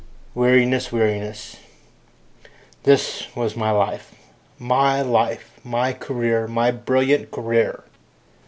Weariness! Weariness! This was life my life my career, my brilliant career!